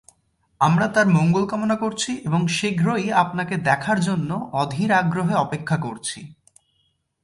আমরা তার মঙ্গল কামনা করছি এবং শীঘ্রই আপনাকে দেখার জন্য অধীর আগ্রহে অপেক্ষা করছি।